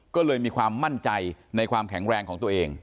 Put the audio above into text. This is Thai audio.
ก็เลยมีความมั่นใจในความแข็งแรงของตัวเอง